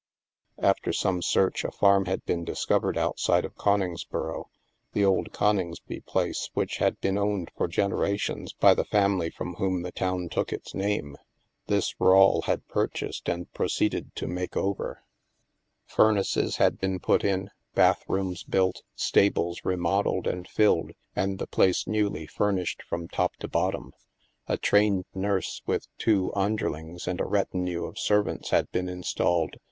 After some search, a farm had been discovered outside of Coningsboro — the old Coningsby place which had been owned for generations by the family from whom the town took its name. This, Rawle had purchased and proceeded to make over. Fur 44 THE MASK naces had been put in, bathrooms built, stables remodeled and filled, and the place newly furnished from top to bottom. A trained nurse with two un derlings and a retinue of servants had been installed.